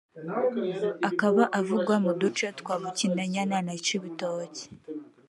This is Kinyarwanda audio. akaba avugwa mu duce twa Bukinanyana na Cibitoki